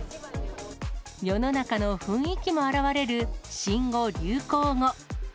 世の中の雰囲気も現れる新語・流行語。